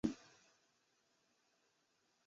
格拉芬是德国巴伐利亚州的一个市镇。